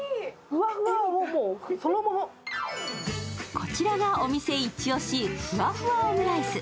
こちらがお店イチ押し、ふわふわオムライス。